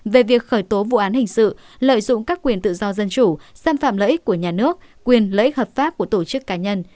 về việc khởi tố vụ án hình sự lợi dụng các quyền tự do dân chủ xâm phạm lợi ích của nhà nước quyền lợi ích hợp pháp của tổ chức cá nhân